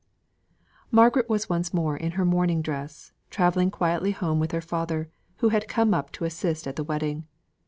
Margaret was once more in her morning dress, travelling quietly home with her father, who had come up to assist at the wedding.